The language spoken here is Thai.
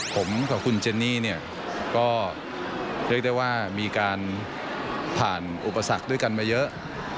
ผมกับคุณเจนี่เนี่ยก็เรียกได้ว่ามีการผ่านอุปสรรคด้วยกันมาเยอะ